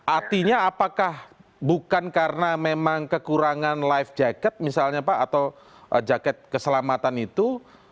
artinya apakah bukan karena memang kekurangan life jacket misalnya pak atau jaket keselamatan itu